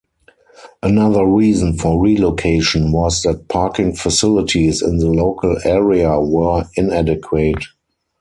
Another reason for relocation was that parking facilities in the local area were inadequate.